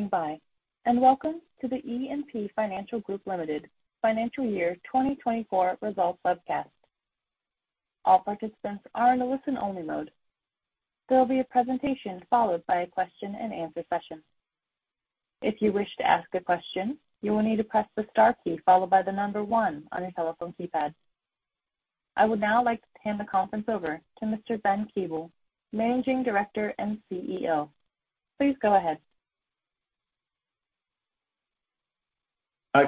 Thank you for standing by, and welcome to the E&P Financial Group Limited Financial Year 2024 Results Webcast. All participants are in a listen-only mode. There will be a presentation, followed by a question-and-answer session. If you wish to ask a question, you will need to press the star key, followed by the number one on your telephone keypad. I would now like to hand the conference over to Mr. Ben Keeble, Managing Director and CEO. Please go ahead.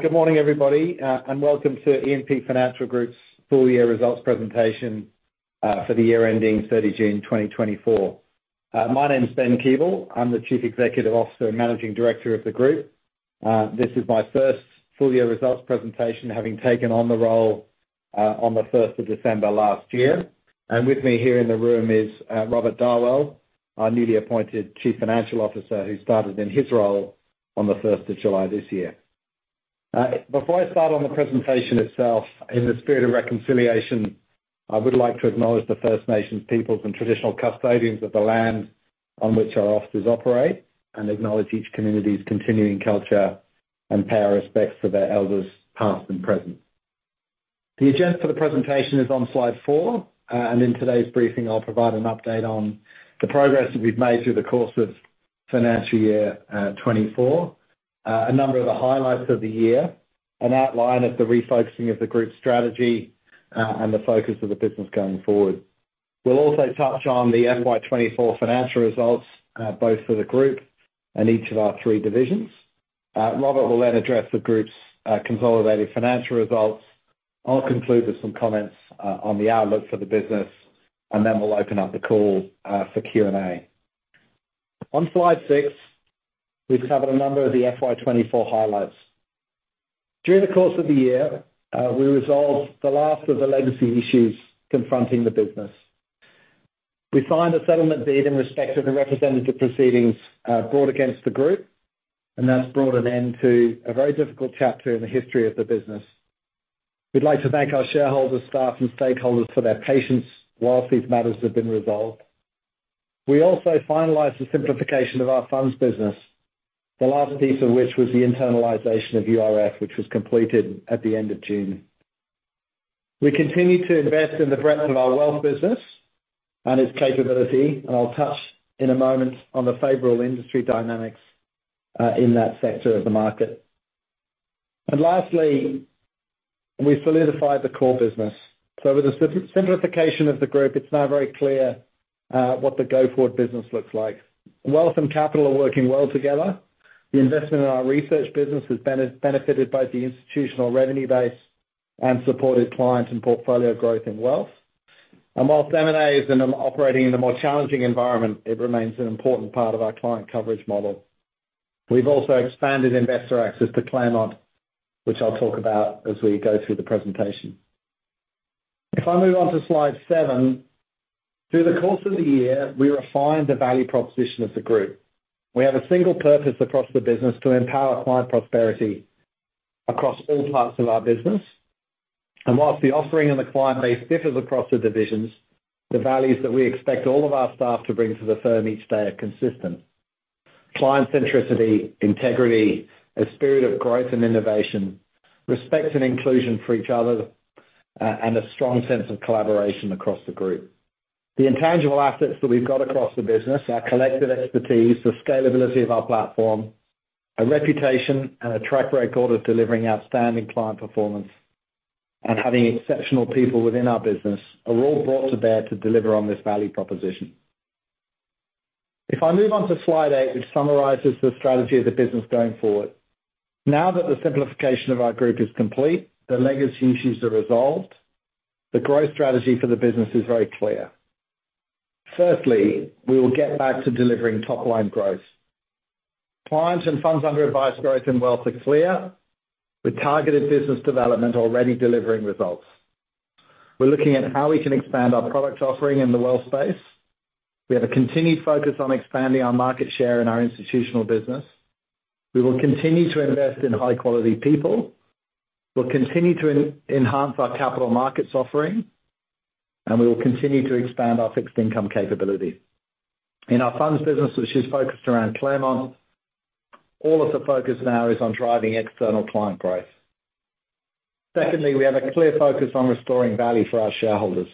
Good morning, everybody, and welcome to E&P Financial Group's full-year results presentation for the year ending 30 June 2024. My name is Ben Keeble. I'm the Chief Executive Officer and Managing Director of the group. This is my first full-year results presentation, having taken on the role on the first of December last year, and with me here in the room is Robert Darwell, our newly appointed Chief Financial Officer, who started in his role on the first of July this year. Before I start on the presentation itself, in the spirit of reconciliation, I would like to acknowledge the First Nations peoples and traditional custodians of the land on which our offices operate, and acknowledge each community's continuing culture and pay our respects to their elders, past and present. The agenda for the presentation is on slide four. And in today's briefing, I'll provide an update on the progress that we've made through the course of financial year 2024, a number of the highlights of the year, an outline of the refocusing of the group's strategy, and the focus of the business going forward. We'll also touch on the FY 2024 financial results, both for the group and each of our three divisions. Robert will then address the group's consolidated financial results. I'll conclude with some comments on the outlook for the business, and then we'll open up the call for Q&A. On slide six, we've covered a number of the FY 2024 highlights. During the course of the year, we resolved the last of the legacy issues confronting the business. We signed a settlement deed in respect of the representative proceedings, brought against the group, and that's brought an end to a very difficult chapter in the history of the business. We'd like to thank our shareholders, staff, and stakeholders for their patience whilst these matters have been resolved. We also finalized the simplification of our funds business, the last piece of which was the internalization of URF, which was completed at the end of June. We continued to invest in the breadth of our wealth business and its capability, and I'll touch in a moment on the favorable industry dynamics, in that sector of the market. And lastly, we solidified the core business. So with the simplification of the group, it's now very clear, what the go-forward business looks like. Wealth and capital are working well together. The investment in our research business has benefited both the institutional revenue base and supported client and portfolio growth in wealth. And while M&A is operating in a more challenging environment, it remains an important part of our client coverage model. We've also expanded investor access to Claremont, which I'll talk about as we go through the presentation. If I move on to slide seven, through the course of the year, we refined the value proposition of the group. We have a single purpose across the business to empower client prosperity across all parts of our business. And while the offering and the client base differs across the divisions, the values that we expect all of our staff to bring to the firm each day are consistent. Client centricity, integrity, a spirit of growth and innovation, respect and inclusion for each other, and a strong sense of collaboration across the group. The intangible assets that we've got across the business, our collective expertise, the scalability of our platform, a reputation and a track record of delivering outstanding client performance and having exceptional people within our business, are all brought to bear to deliver on this value proposition. If I move on to slide eight, which summarizes the strategy of the business going forward. Now that the simplification of our group is complete, the legacy issues are resolved, the growth strategy for the business is very clear. Firstly, we will get back to delivering top-line growth. Clients and funds under advice growth and wealth are clear, with targeted business development already delivering results. We're looking at how we can expand our product offering in the wealth space. We have a continued focus on expanding our market share in our institutional business. We will continue to invest in high-quality people. We'll continue to enhance our capital markets offering, and we will continue to expand our fixed income capability. In our funds business, which is focused around Claremont, all of the focus now is on driving external client growth. Secondly, we have a clear focus on restoring value for our shareholders.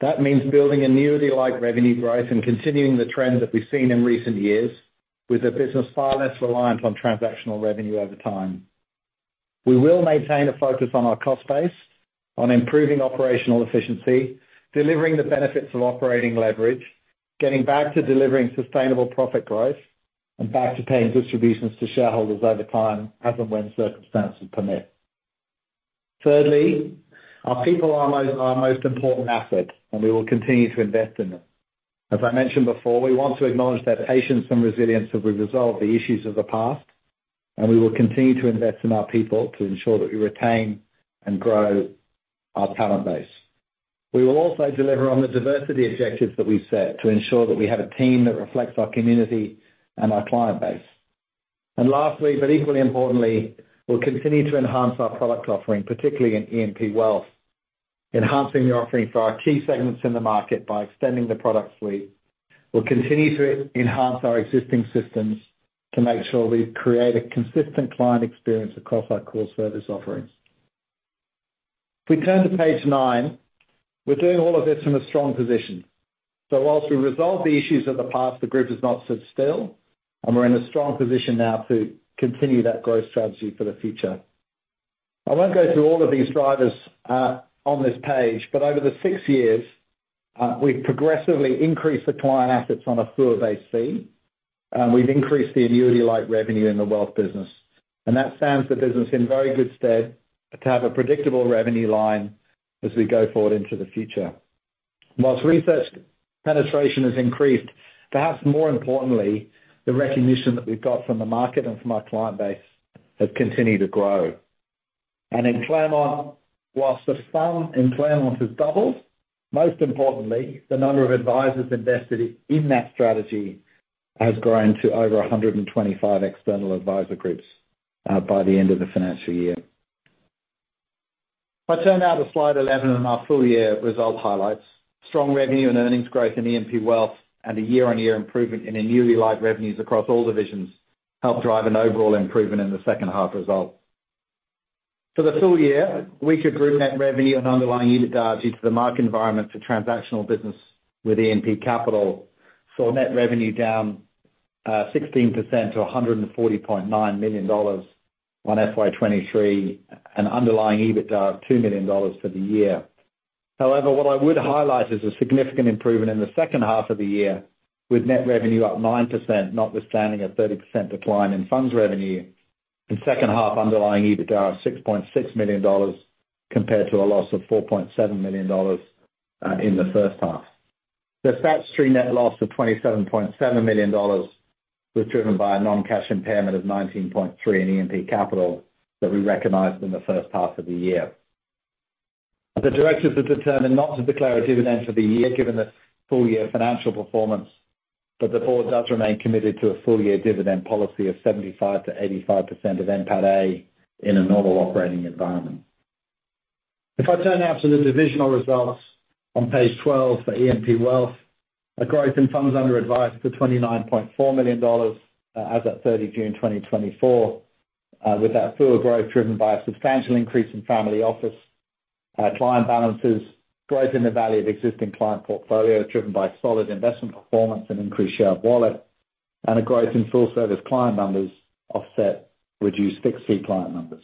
That means building an annuity-like revenue growth and continuing the trend that we've seen in recent years, with the business far less reliant on transactional revenue over time. We will maintain a focus on our cost base, on improving operational efficiency, delivering the benefits of operating leverage, getting back to delivering sustainable profit growth, and back to paying distributions to shareholders over time as and when circumstances permit. Thirdly, our people are our most important asset, and we will continue to invest in them. As I mentioned before, we want to acknowledge their patience and resilience as we resolve the issues of the past, and we will continue to invest in our people to ensure that we retain and grow our talent base. We will also deliver on the diversity objectives that we've set to ensure that we have a team that reflects our community and our client base. And lastly, but equally importantly, we'll continue to enhance our product offering, particularly in E&P Wealth... enhancing the offering for our key segments in the market by extending the product suite. We'll continue to enhance our existing systems to make sure we create a consistent client experience across our core service offerings. If we turn to page nine, we're doing all of this from a strong position. So while we resolve the issues of the past, the group does not sit still, and we're in a strong position now to continue that growth strategy for the future. I won't go through all of these drivers on this page, but over the six years, we've progressively increased the client assets on a FUA-based fee, and we've increased the annuity-like revenue in the wealth business. And that stands the business in very good stead to have a predictable revenue line as we go forward into the future. While research penetration has increased, perhaps more importantly, the recognition that we've got from the market and from our client base has continued to grow. In Claremont, while the FUM in Claremont has doubled, most importantly, the number of advisors invested in that strategy has grown to over 125 external advisor groups by the end of the financial year. If I turn now to slide 11 in our full-year results highlights. Strong revenue and earnings growth in E&P Wealth and a year-on-year improvement in annuity-like revenues across all divisions helped drive an overall improvement in the second half results. For the full-year, weaker group net revenue and underlying EBITDA due to the market environment to transactional business with E&P Capital saw net revenue down 16% to 149 million dollars on FY 2023, and underlying EBITDA of 2 million dollars for the year. However, what I would highlight is a significant improvement in the second half of the year, with net revenue up 9%, notwithstanding a 30% decline in funds revenue, and second half underlying EBITDA of 6.6 million dollars, compared to a loss of 4.7 million dollars in the first half. The statutory net loss of 27.7 million dollars was driven by a non-cash impairment of 19.3 in E&P Capital that we recognized in the first half of the year. The directors have determined not to declare a dividend for the year, given the full-year financial performance, but the board does remain committed to a full-year dividend policy of 75%-85% of NPATA in a normal operating environment. If I turn now to the divisional results on page 12 for E&P Wealth, a growth in funds under advice to 29.4 billion dollars as at 30 June 2024, with that FUA growth driven by a substantial increase in family office client balances, growth in the value of existing client portfolio, driven by solid investment performance and increased share of wallet, and a growth in full service client numbers offset reduced fixed fee client numbers.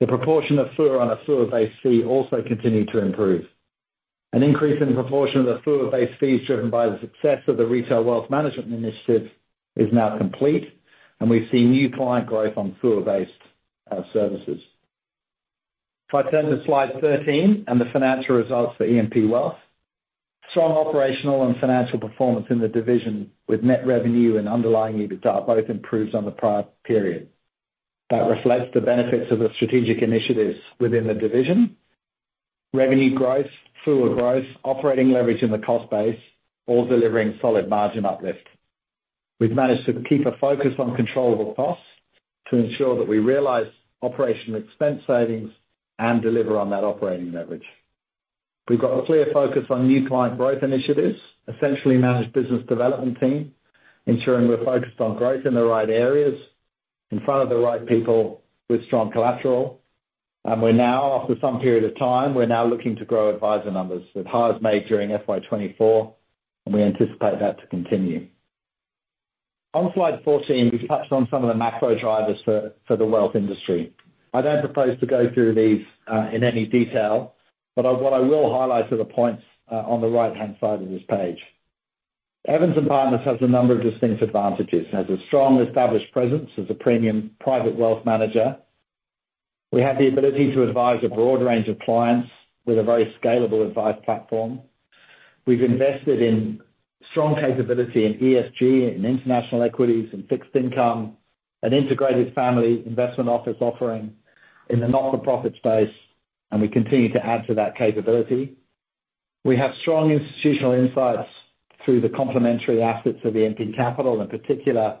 The proportion of FUA on a FUA-based fee also continued to improve. An increase in the proportion of the FUA-based fee is driven by the success of the Retail Wealth Management initiative is now complete, and we've seen new client growth on FUA-based services. If I turn to slide 13 and the financial results for E&P Wealth, strong operational and financial performance in the division with net revenue and underlying EBITDA both improves on the prior period. That reflects the benefits of the strategic initiatives within the division. Revenue growth, FUA growth, operating leverage in the cost base, all delivering solid margin uplift. We've managed to keep a focus on controllable costs to ensure that we realize operational expense savings and deliver on that operating leverage. We've got a clear focus on new client growth initiatives, centrally-managed business development team, ensuring we're focused on growth in the right areas, in front of the right people with strong collateral, and we're now, after some period of time, we're now looking to grow advisor numbers with hires made during FY 2024, and we anticipate that to continue. On slide 14, we've touched on some of the macro drivers for the wealth industry. I don't propose to go through these in any detail, but what I will highlight are the points on the right-hand side of this page. Evans and Partners has a number of distinct advantages. It has a strong established presence as a premium private wealth manager. We have the ability to advise a broad range of clients with a very scalable advice platform. We've invested in strong capability in ESG, in international equities and fixed income, an integrated family investment office offering in the not-for-profit space, and we continue to add to that capability. We have strong institutional insights through the complementary assets of the E&P Capital, in particular,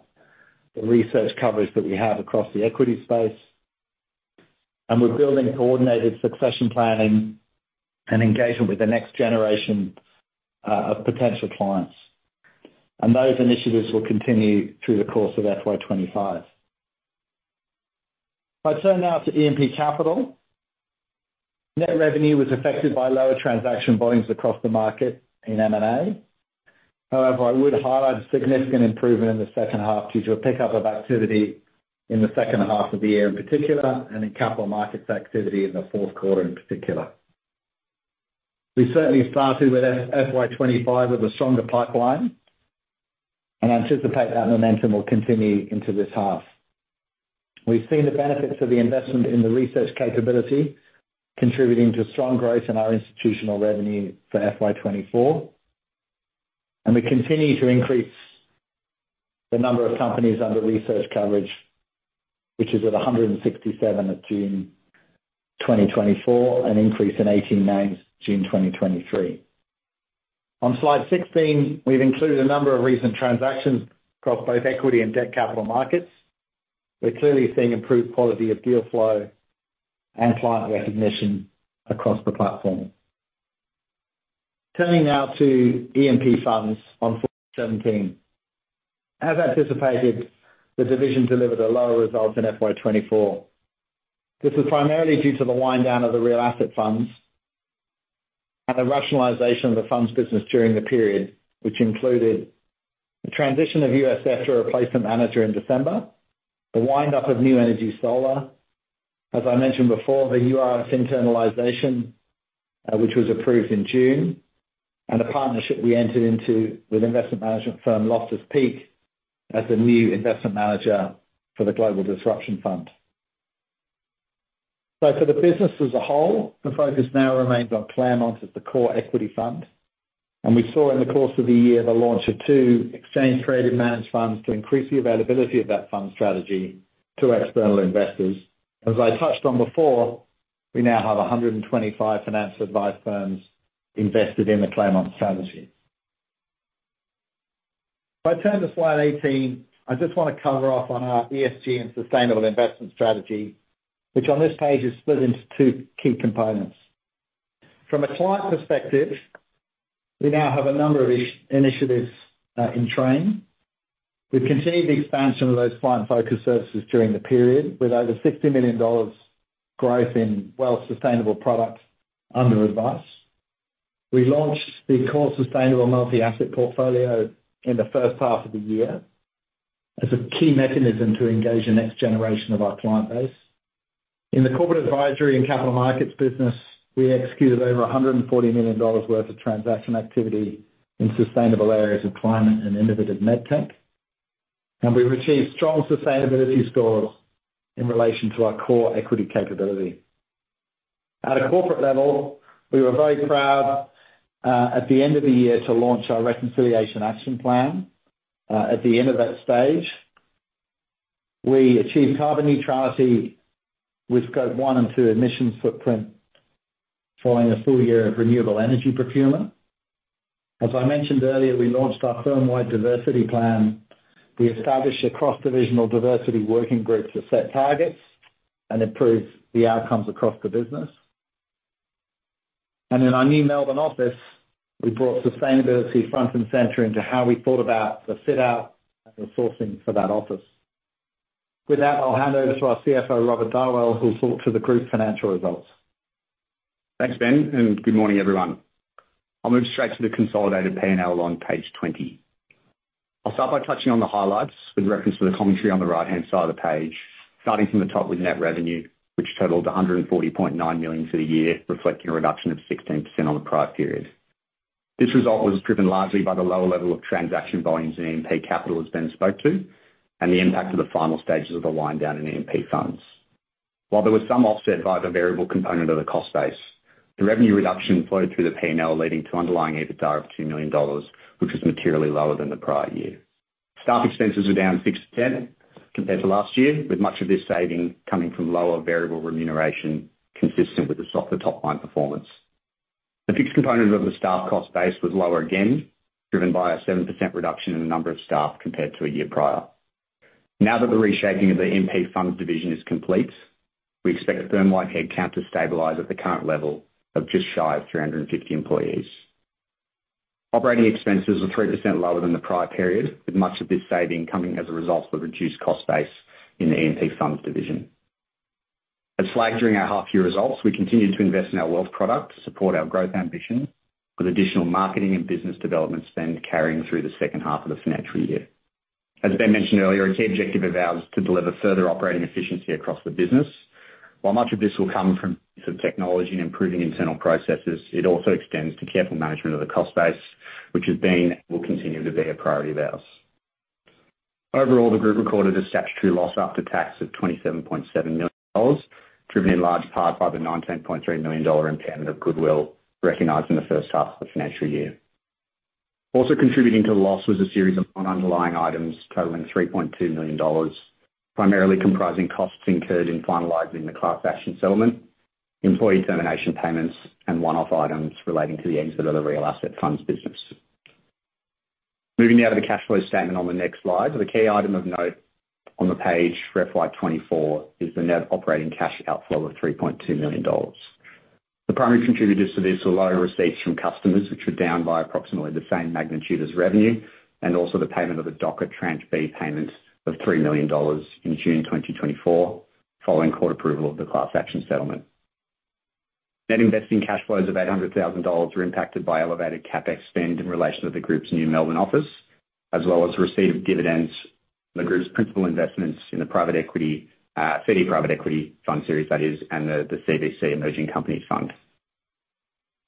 the research coverage that we have across the equity space. We're building coordinated succession planning and engagement with the next generation of potential clients. Those initiatives will continue through the course of FY 2025. If I turn now to E&P Capital, net revenue was affected by lower transaction volumes across the market in M&A. However, I would highlight a significant improvement in the second half due to a pickup of activity in the second half of the year, in particular, and in capital markets activity in the fourth quarter, in particular. We certainly started with FY 2025 with a stronger pipeline and anticipate that momentum will continue into this half. We've seen the benefits of the investment in the research capability, contributing to strong growth in our institutional revenue for FY 2024, and we continue to increase the number of companies under research coverage, which is at 167 at June 2024, an increase in 18 names, June 2023. On slide 16, we've included a number of recent transactions across both equity and debt capital markets. We're clearly seeing improved quality of deal flow and client recognition across the platform. Turning now to E&P Funds on slide 17. As anticipated, the division delivered a lower result in FY 2024. This was primarily due to the wind down of the real asset funds and the rationalization of the funds business during the period, which included the transition of USF to a replacement manager in December, the wind up of New Energy Solar. As I mentioned before, the URF internalization, which was approved in June, and a partnership we entered into with investment management firm, Loftus Peak, as the new investment manager for the Global Disruption Fund. So for the business as a whole, the focus now remains on Claremont as the core equity fund, and we saw in the course of the year the launch of two exchange-traded managed funds to increase the availability of that fund strategy to external investors. As I touched on before, we now have 125 financial advice firms invested in the Claremont strategy. If I turn to slide 18, I just want to cover off on our ESG and sustainable investment strategy, which on this page is split into two key components. From a client perspective, we now have a number of ESG initiatives in train. We've continued the expansion of those client-focused services during the period, with over 60 million dollars growth in wealth sustainable products under advice. We launched the Core Sustainable Multi-Asset Portfolio in the first half of the year as a key mechanism to engage the next generation of our client base. In the corporate advisory and capital markets business, we executed over 140 million dollars worth of transaction activity in sustainable areas of climate and innovative med tech, and we've achieved strong sustainability scores in relation to our core equity capability. At a corporate level, we were very proud at the end of the year to launch our Reconciliation Action Plan. At the end of that stage, we achieved carbon neutrality with Scope 1 and 2 emissions footprint, following a full-year of renewable energy procurement. As I mentioned earlier, we launched our firm-wide diversity plan. We established a cross-divisional diversity working group to set targets and improve the outcomes across the business. And in our new Melbourne office, we brought sustainability front and center into how we thought about the fit out and the sourcing for that office. With that, I'll hand over to our CFO, Robert Darwell, who'll talk to the group financial results. Thanks, Ben, and good morning, everyone. I'll move straight to the consolidated P&L on page 20. I'll start by touching on the highlights with reference to the commentary on the right-hand side of the page, starting from the top with net revenue, which totaled 140.9 million for the year, reflecting a reduction of 16% on the prior period. This result was driven largely by the lower level of transaction volumes in E&P Capital, as Ben spoke to, and the impact of the final stages of the wind down in E&P Funds. While there was some offset by the variable component of the cost base, the revenue reduction flowed through the P&L, leading to underlying EBITDA of 2 million dollars, which was materially lower than the prior year. Staff expenses were down 6% compared to last year, with much of this saving coming from lower variable remuneration, consistent with the softer top-line performance. The fixed component of the staff cost base was lower again, driven by a 7% reduction in the number of staff compared to a year prior. Now that the reshaping of the E&P Funds division is complete, we expect firm-wide headcount to stabilize at the current level of just shy of 350 employees. Operating expenses are 3% lower than the prior period, with much of this saving coming as a result of a reduced cost base in the E&P Funds division. As flagged during our half year results, we continued to invest in our wealth product to support our growth ambition, with additional marketing and business development spend carrying through the second half of the financial year. As Ben mentioned earlier, a key objective of ours is to deliver further operating efficiency across the business. While much of this will come from technology and improving internal processes, it also extends to careful management of the cost base, which has been, will continue to be a priority of ours. Overall, the group recorded a statutory loss after tax of 27.7 million dollars, driven in large part by the 19.3 million dollar impairment of goodwill recognized in the first half of the financial year. Also contributing to the loss was a series of non-underlying items totaling 3.2 million dollars, primarily comprising costs incurred in finalizing the class action settlement, employee termination payments, and one-off items relating to the exit of the real asset funds business. Moving now to the cash flow statement on the next slide. The key item of note on the page for FY 2024 is the net operating cash outflow of 3.2 million dollars. The primary contributors to this are lower receipts from customers, which are down by approximately the same magnitude as revenue, and also the payment of the DOCA Tranche B payments of 3 million dollars in June 2024, following court approval of the class action settlement. Net investing cash flows of 800,000 dollars were impacted by elevated CapEx spend in relation to the group's new Melbourne office, as well as receipt of dividends from the group's principal investments in the private equity CD Private Equity Fund Series and the CVC Emerging Companies Fund.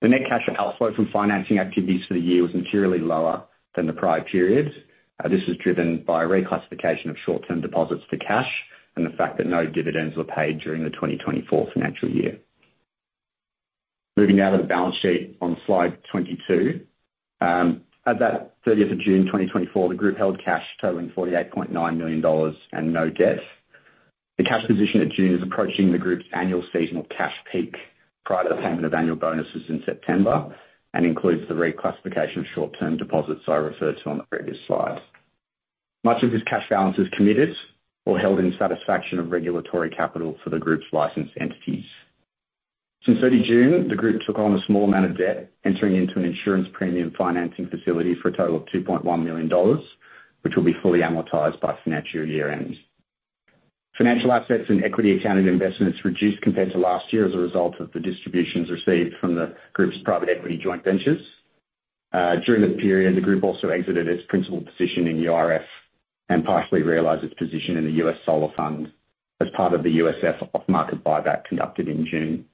The net cash outflow from financing activities for the year was materially lower than the prior periods. This is driven by a reclassification of short-term deposits to cash and the fact that no dividends were paid during the 2024 financial year. Moving now to the balance sheet on slide 22. At 30th June 2024, the group held cash totaling 48.9 million dollars and no debt. The cash position at June is approaching the group's annual seasonal cash peak, prior to the payment of annual bonuses in September, and includes the reclassification of short-term deposits I referred to on the previous slide. Much of this cash balance is committed or held in satisfaction of regulatory capital for the group's licensed entities. Since 30 June, the group took on a small amount of debt, entering into an insurance premium financing facility for a total of 2.1 million dollars, which will be fully amortized by financial year end. Financial assets and equity accounted investments reduced compared to last year as a result of the distributions received from the group's private equity joint ventures. During the period, the group also exited its principal position in URF and partially realized its position in the US Solar Fund as part of the USF off-market buyback conducted in June.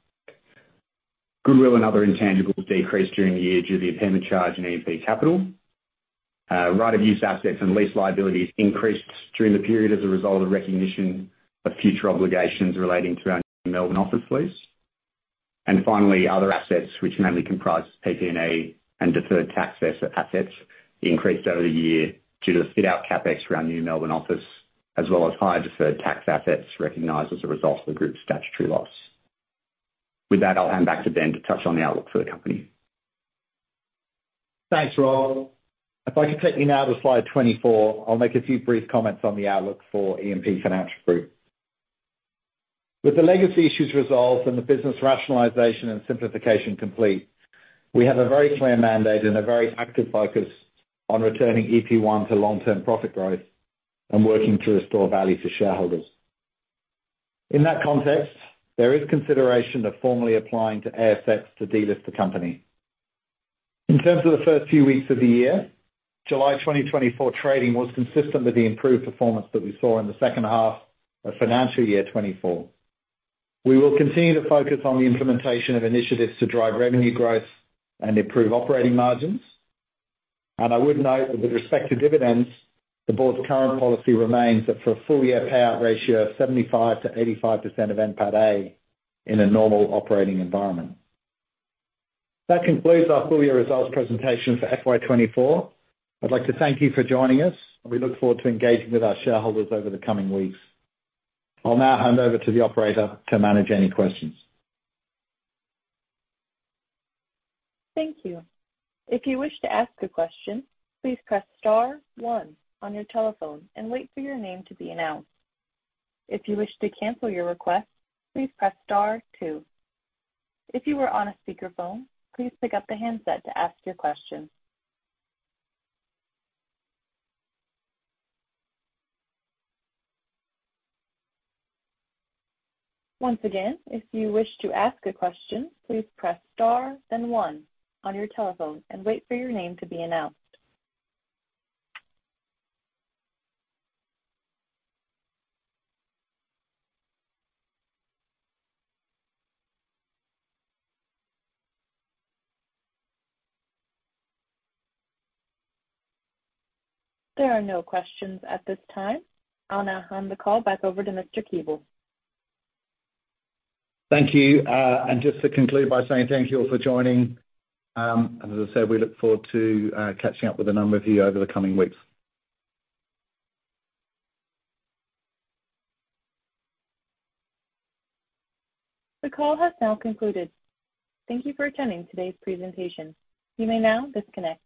Goodwill and other intangibles decreased during the year due to the impairment charge in E&P Capital. Right of use assets and lease liabilities increased during the period as a result of recognition of future obligations relating to our new Melbourne office lease. Finally, other assets, which mainly comprise PP&E and deferred tax assets, increased over the year due to the fit-out CapEx for our new Melbourne office, as well as higher deferred tax assets recognized as a result of the group's statutory loss. With that, I'll hand back to Ben to touch on the outlook for the company. Thanks, Rob. If I could take you now to slide 24, I'll make a few brief comments on the outlook for E&P Financial Group. With the legacy issues resolved and the business rationalization and simplification complete, we have a very clear mandate and a very active focus on returning E&P to long-term profit growth and working to restore value to shareholders. In that context, there is consideration of formally applying to ASX to delist the company. In terms of the first few weeks of the year, July 2024 trading was consistent with the improved performance that we saw in the second half of financial year 2024. We will continue to focus on the implementation of initiatives to drive revenue growth and improve operating margins. And I would note that with respect to dividends, the board's current policy remains that for a full-year payout ratio of 75%-85% of NPATA in a normal operating environment. That concludes our full-year results presentation for FY 2024. I'd like to thank you for joining us, and we look forward to engaging with our shareholders over the coming weeks. I'll now hand over to the operator to manage any questions. Thank you. If you wish to ask a question, please press star one on your telephone and wait for your name to be announced. If you wish to cancel your request, please press star two. If you are on a speakerphone, please pick up the handset to ask your question. Once again, if you wish to ask a question, please press star, then one on your telephone and wait for your name to be announced. There are no questions at this time. I'll now hand the call back over to Mr. Keeble. Thank you, and just to conclude by saying thank you all for joining, and as I said, we look forward to catching up with a number of you over the coming weeks. The call has now concluded. Thank you for attending today's presentation. You may now disconnect.